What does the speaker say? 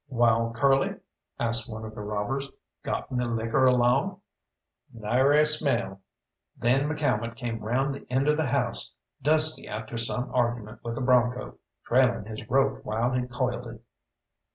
"Wall, Curly," asked one of the robbers, "got any liquor along?" "Nary a smell." Then McCalmont came round the end of the house, dusty after some argument with a broncho, trailing his rope while he coiled it.